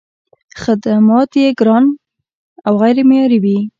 خدمات یې ډېر ګران او غیر معیاري وي.